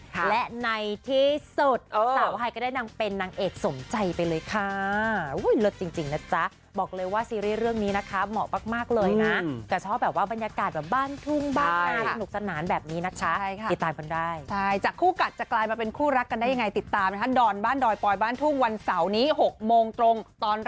ตัวน้องเขาก็อยากที่จะขอโทษหนิง